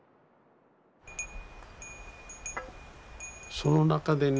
その中でね